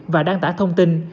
và đăng tả thông tin